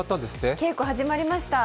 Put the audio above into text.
稽古始まりました。